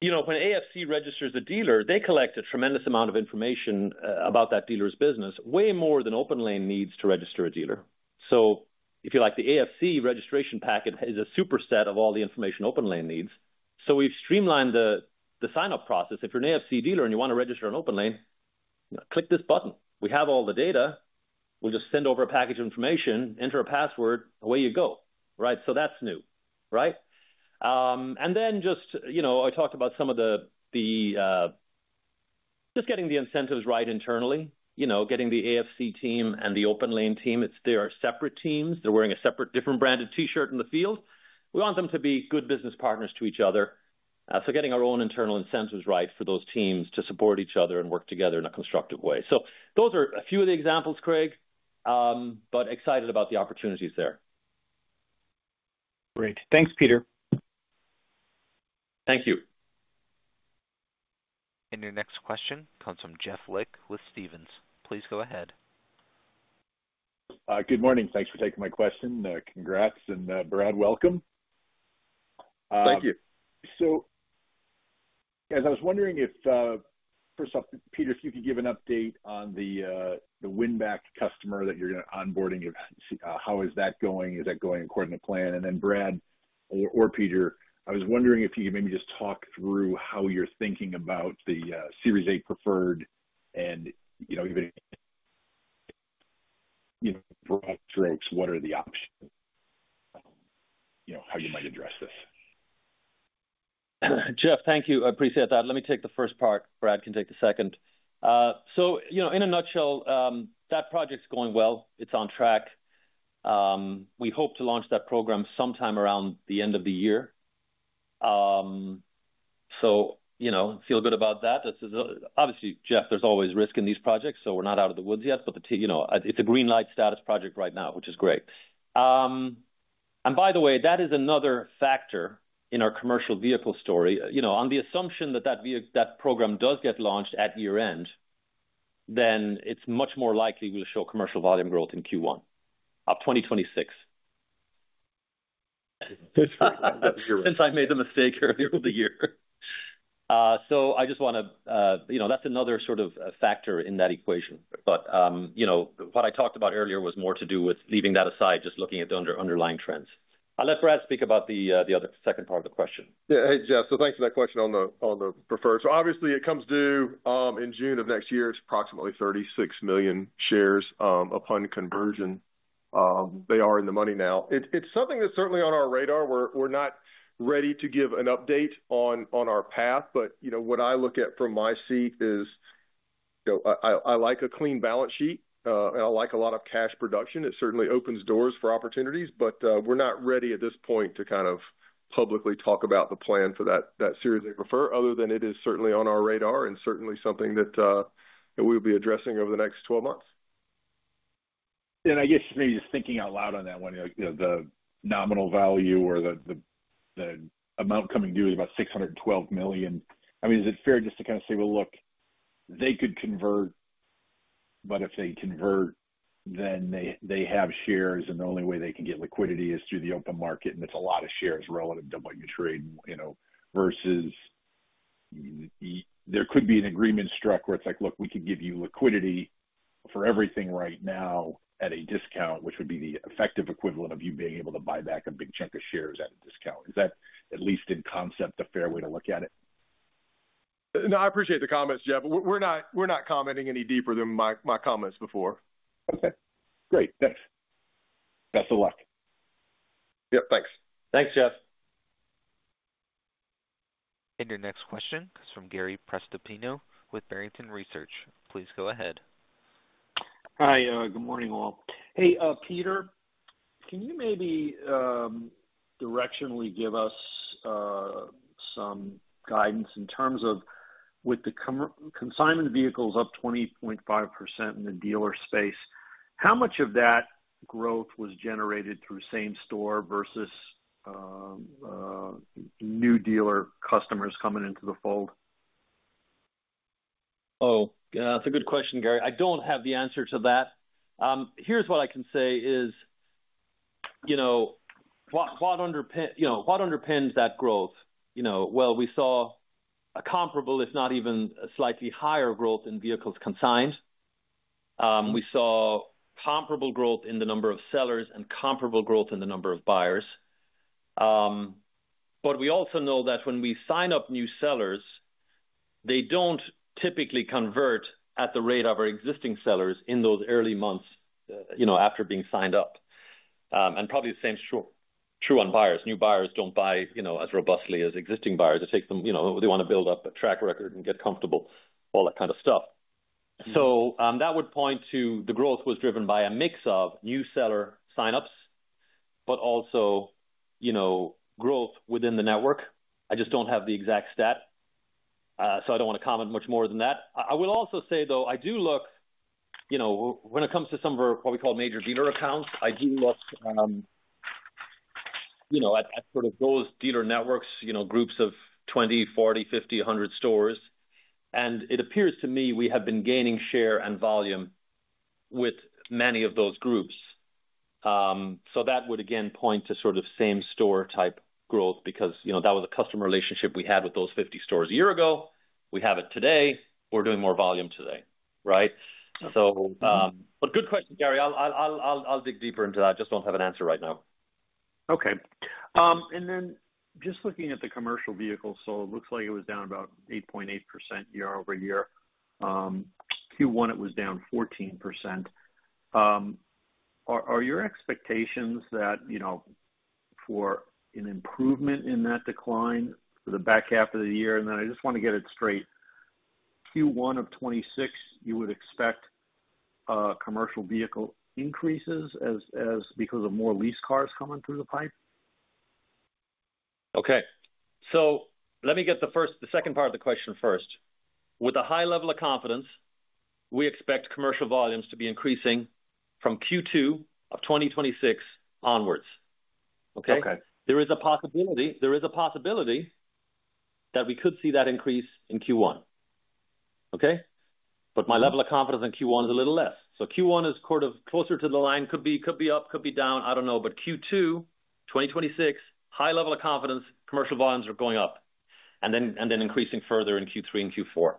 You know, when AFC registers the dealer, they collect a tremendous amount of information about that dealer's business. Way more than OPENLANE needs to register a dealer. If you like, the AFC registration packet is a superset of all the information OPENLANE needs. We've streamlined the signup process. If you're an AFC dealer and you want to register in OPENLANE, click this button. We have all the data. We'll just send over a package information, enter a password, away you go. Right, so that's new, right? I talked about some of the incentives right internally, getting the AFC team and the OPENLANE team. There are separate teams, they're wearing a separate different branded T-shirt in the field. We want them to be good business partners to each other. Getting our own internal incentives right for those teams to support each other and work together in a constructive way. Those are a few of the examples, Craig, but excited about the opportunities there. Great. Thanks, Peter. Thank you. Your next question comes from Jeff Lick with Stephens Inc., please go ahead. Good morning. Thanks for taking my question. Congrats, and Brad, welcome. Thank you. I was wondering if, first. Peter, if you could give an. Update on the winback customer that you're onboarding. How is that going? Is that going according to plan? Brady or Peter, I was wondering if you could maybe just talk through how you're thinking about the Series A preferred and, you know, what are the options, you know, how you might address this. Jeff, thank you, I appreciate that. Let me take the first part. Brad can take the second. In a nutshell, that project's going well, it's on track. We hope to launch that program sometime around the end of the year. I feel good about that. Obviously, Jeff, there's always risk in these projects. We're not out of the woods yet, but it's a green light status project right now, which is great. By the way, that is another factor in our commercial vehicle story. On the assumption that program does get launched at year end, then it's much more likely we'll show commercial volume growth in Q1 2026, since I made the mistake earlier of the year. I just want to, that's another sort of factor in that equation. What I talked about earlier was more to do with leaving that aside, just looking at the underlying trends. I'll let Brad speak about the other second part of the question. Yeah. Hey, Jeff. Thank you for that question on the preferred. It comes due in June of next year. It's approximately 36 shares upon conversion. They are in the money now. It's something that's certainly on our radar. We're not ready to give an update on our path. What I look at from my seat is I like a clean balance sheet and I like a lot of cash production. It certainly opens doors for opportunities. We're not ready at this point to publicly talk about the plan for that series they prefer, other than it is certainly on our radar and certainly something that we will be addressing over the next 12 months. I guess maybe just thinking out loud on that one, the nominal value or the amount coming due, about $612 million. Is it fair just to kind of say, look, they could convert, but if they convert, then they have shares and the only way they can get liquidity is through the open market, and it's a lot of shares relative to what you're trading versus. There. Could be an agreement struck where it's like, look, we could give you liquidity for everything right now at a discount, which would be the effective equivalent of you being able to buy back a big chunk of shares at a discount. Is that, at least in concept, a fair way to look at it? No. I appreciate the comments, Jeff. We're not commenting any deeper than my comments before. Okay, great, thanks. Best of luck. Thanks. Thanks, Jeff. Your next question comes from Gary Prestopino with Barrington Research. Please go ahead. Hi. Good morning, all. Hey, Peter, can you maybe directionally give us some guidance in terms of, with the consignment vehicles up 20.5% in the dealer space, how much of that growth was generated through same store versus. New dealer customers coming into the fold? Oh, that's a good question, Gary. I don't have the answer to that. Here's what I can say is, you know, what underpins that growth, you know, we saw a comparable, if not even a slightly higher growth in vehicles consigned. We saw comparable growth in the number of sellers and comparable growth in the number of buyers. We also know that when we sign up new sellers, they don't typically convert at the rate of our existing sellers in those early months after being signed up. Probably the same is true on buyers. New buyers don't buy as robustly as existing buyers. It takes them, you know, they want to build up a track record and get comfortable, all that kind of stuff. That would point to the growth was driven by a mix of new seller signups, but also growth within the network. I just don't have the exact stat, so I don't want to comment much more than that. I will also say though, I do look, you know, when it comes to some of our, what we call major dealer accounts, I do look at sort of those dealer networks, groups of 20, 40, 50, 100 stores. It appears to me we have been gaining share and volume with many of those groups. That would again point to sort of same store type growth because that was a customer relationship we had with those 50 stores a year ago. We have it today. We're doing more volume today. Right. Good question, Gary. I'll dig deeper into that. Just don't have an answer right now. Okay, and then just looking at the. Commercial vehicle volumes, it looks like it was down about 8.8% year-over-year. Q1, it was down 14%. Are your expectations that, you know, for an improvement in that decline for the back half of the year? I just want to get it straight. Q1 of 2026, you would expect commercial vehicle increases because of more lease cars coming through the pipe. Let me get the second part of the question first. With a high level of confidence, we expect commercial volumes to be increasing from Q2 of 2026 onwards. There is a possibility that we could see that increase in Q1, but my level of confidence in Q1 is a little less. Q1 is sort of closer to the line. Could be up, could be down, I don't know. Q2 2026, high level of confidence, commercial volumes are going up and then increasing further in Q3 and Q4.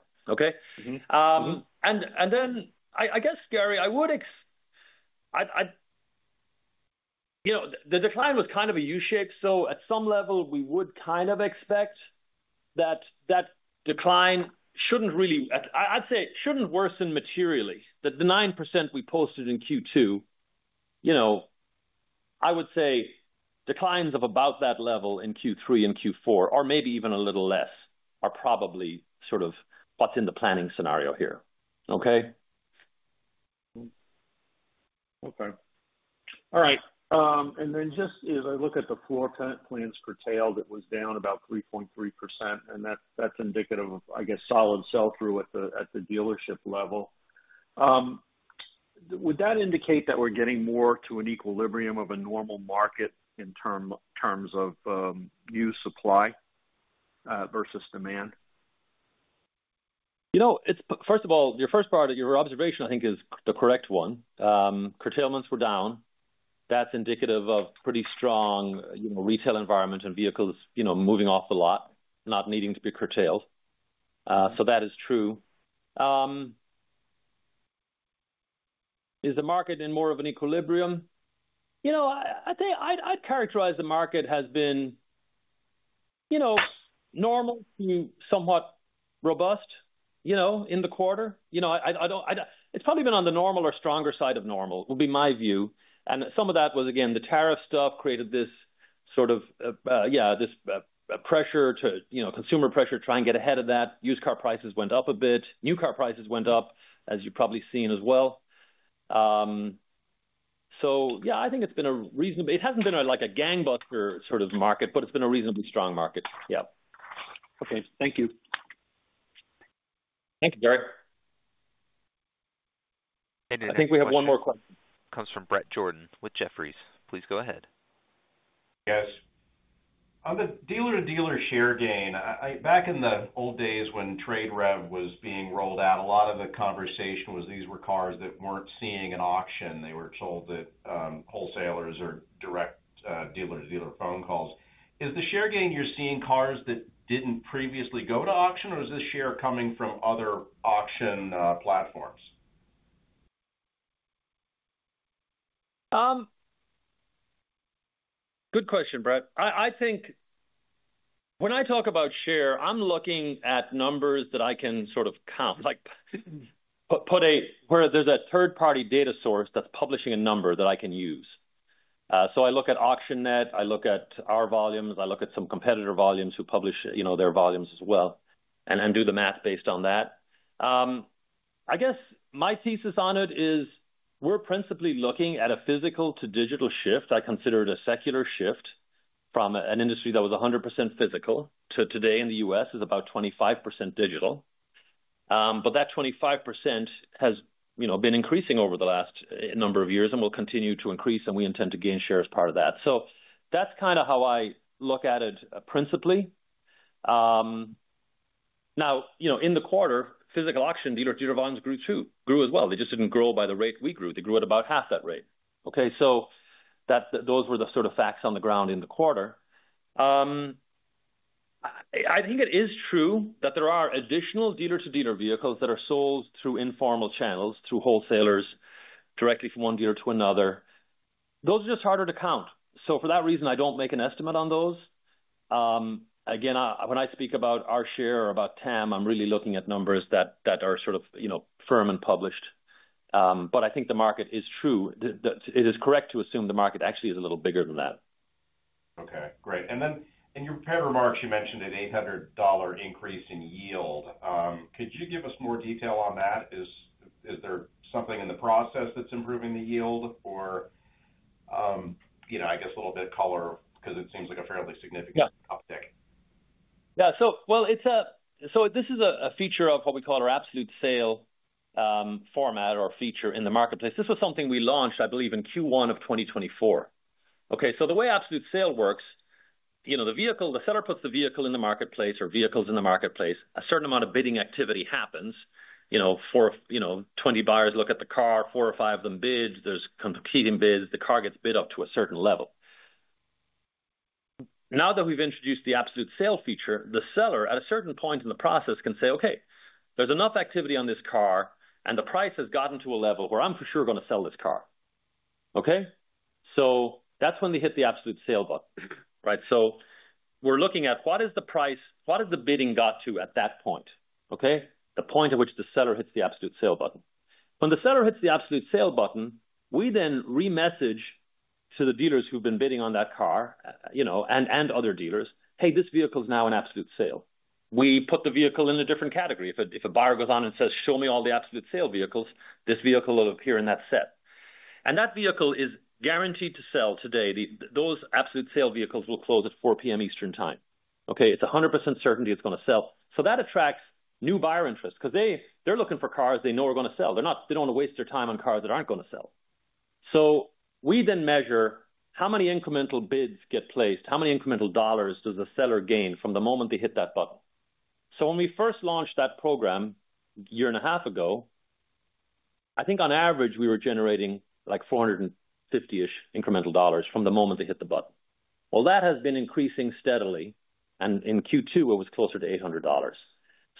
I guess, Gary, I would expect, you know, the decline was kind of a U shape. At some level we would kind of expect that that decline shouldn't really worsen materially from the 9% we posted in Q2. I would say declines of about that level in Q3 and Q4 or maybe even a little less are probably sort of what's in the planning scenario here. Just, you know, look at. The floor plan plans curtailed, it was down about 3.3%. That's indicative of, I guess, solid sell through at the dealership level. Would that indicate that we're getting more? To an equilibrium of a normal market in terms of new supply versus demand? First of all, your first part of your observation, I think is the correct one. Curtailments were down. That's indicative of a pretty strong retail environment and vehicles moving off the lot, not needing to be curtailed. That is true. Is the market in more of an equilibrium? I'd say I'd characterize the market as being normal, somewhat robust in the quarter. It's probably been on the normal or stronger side of normal would be my view. Some of that was, again, the tariff stuff created this sort of pressure, consumer pressure, to try and get ahead of that. Used car prices went up a bit. New car prices went up, as you've probably seen as well. I think it's been a reasonable, it hasn't been like a gangbuster sort of market, but it's been a reasonably strong market. Thank you. Thank you, Gary. I think we have one more question. Comes from Bret Jordan with Jefferies LLC. Please go ahead. Yes. On the dealer-to-dealer share gain, back in the old days when TradeRev was being rolled out, a lot of the conversation was these were cars. That weren't seeing an auction. They were told that wholesalers are direct dealer-to-dealer phone calls. Is the share gain you're seeing cars that didn't previously go to auction? Is this share coming from other auction platforms? Good question, Bret. I think when I talk about share, I'm looking at numbers that I can sort of count, like where there's a third-party data source that's publishing a number that I can use. I look at Auction Net, I look at our volumes, I look at some competitor volumes who publish their volumes as well and do the math based on that. I guess my thesis on it is we're principally looking at a physical to digital shift. I consider it a secular shift from an industry that was 100% physical to today in the U.S. is about 25% digital. That 25% has been increasing over the last number of years and will continue to increase, and we intend to gain share as part of that. That's kind of how I look at it. Principally now, in the quarter, physical auction dealer GW as well, they just didn't grow by the rate we grew. They grew at about half that rate. Those were the sort of facts on the ground in the quarter. I think it is true that there are additional dealer-to-dealer vehicles that are sold through informal channels, through wholesalers, directly from one dealer to another. Those are just harder to count. For that reason, I don't make an estimate on those. Again, when I speak about our share or about TAM, I'm really looking at numbers that are sort of firm and published. I think the market is true. It is correct to assume the market actually is a little bigger than that. Okay, great. In your parent remarks, you. mentioned an $800 increase in yield. Could you give us more detail on that? Is there something in the process that's improving the yield, or, you know, I guess a little bit of color, because it seems like a fairly significant increase. Yeah, so this is a feature of what we call our Absolute Sale format or feature in the marketplace. This was something we launched, I believe, in Q1 of 2024. The way Absolute Sale works, the seller puts the vehicle in the marketplace, or vehicles in the marketplace, a certain amount of bidding activity happens. For example, 20 buyers look at the car, four or five of them bid, there's competing bids. The car gets bid up to a certain level. Now that we've introduced the Absolute Sale feature, the seller at a certain point in the process can say, okay, there's enough activity on this car and the price has gotten to a level where I'm for sure going to sell this car. That's when they hit the Absolute Sale button. Right. We're looking at what is the price, what is the bidding got to at that point? Okay, the point at which the seller hits the Absolute Sale button. When the seller hits the Absolute Sale button, we then remessage to the dealers who've been bidding on that car, you know, and other dealers, hey, this vehicle is now an Absolute Sale. We put the vehicle in a different category. If a buyer goes on and says, show me all the Absolute Sale vehicles, this vehicle will appear in that set and that vehicle is guaranteed to sell today. Those Absolute Sale vehicles will close at 4:00 P.M. Eastern time. It's 100% certainty it's going to sell. That attracts new buyer interest because they're looking for cars they know are going to sell. They don't want to waste their time on cars that aren't going to sell. We then measure how many incremental bids get placed. How many incremental dollars does the seller gain from the moment they hit that button. When we first launched that program a year and a half ago, I think on average we were generating like $450-ish incremental dollars from the moment they hit the button. That has been increasing steadily and in Q2 it was closer to $800.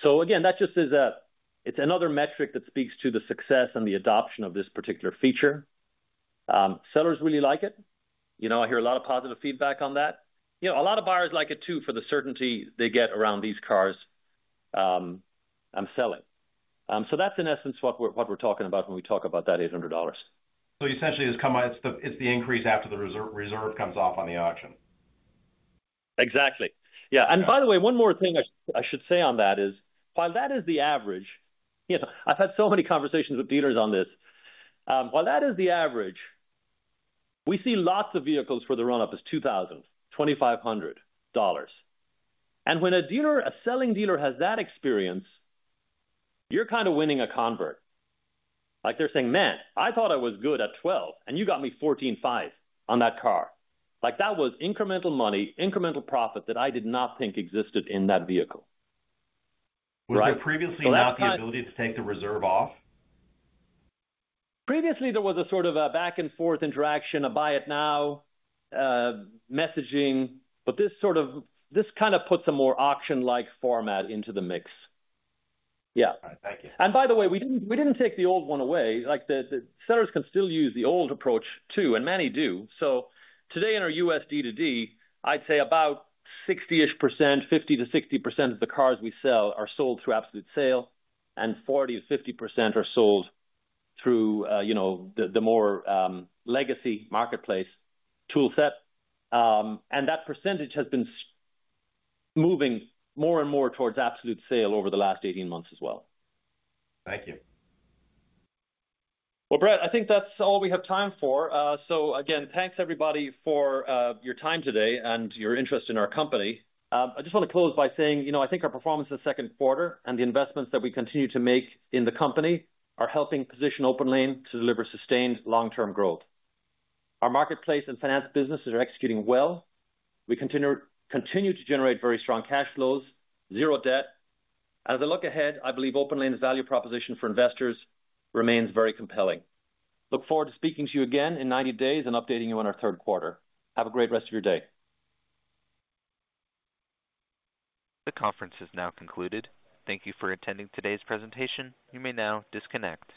That just is another metric that speaks to the success and the adoption of this particular feature. Sellers really like it. I hear a lot of positive feedback on that. A lot of buyers like it too for the certainty they get around these cars I'm selling. That's in essence what we're talking about when we talk about that $800. It's the increase after the reserve comes off on the auction. Exactly. Yeah. By the way, one more thing I should say on that is while that is the average. Yes. I've had so many conversations with dealers on this. While that is the average, we see lots of vehicles where the run up is $2,000, $2,500. When a selling dealer has that experience, you're kind of winning a convert. They're saying, man, I thought I was good at $12,000 and you got me $14,500 on that car. That was incremental money, incremental profit that I did not think existed in that vehicle. Previously, not the ability to take the reserve off. Previously, there was a sort of a back and forth interaction, a buy it now messaging. This kind of puts a more auction-like format into the mix. Thank you. By the way, we didn't take the old one away. The sellers can still use the old approach too, and many do so today in our U.S. D2D. I'd say about 60%—50%-60%—of the cars we sell are sold through Absolute Sale, and 40 to 50% are sold through the more legacy marketplace tool set. That percentage has been moving more and more towards Absolute Sale over the last 18 months as well. Thank you. Bret, I think that's all we have time for. Again, thanks, everybody, for your time today and your interest in our company. I just want to close by saying I think our performance in the second quarter and the investments that we continue to make in the company are helping position OPENLANE to deliver sustained long-term growth. Our marketplace and finance businesses are executing well. We continue to generate very strong cash flows, zero debt. As I look ahead, I believe OPENLANE's value proposition for investors remains very compelling. I look forward to speaking to you again in 90 days and updating you on our third quarter. Have a great rest of your day. The conference has now concluded. Thank you for attending today's presentation. You may now disconnect.